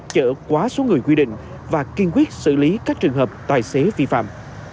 chở quá số người quy định và kiên quyết xử lý các trường hợp tài xế vi phạm